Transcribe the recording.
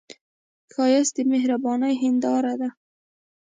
ښایست د مهرباني هنداره ده